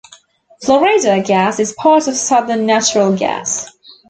Florida Gas is part of Southern Natural Gas.